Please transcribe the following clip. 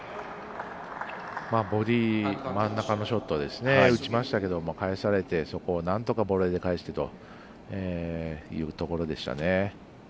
ボディー真ん中のショット打ちましたけれども返されてそこをなんとかボレーで返してというところでしたね。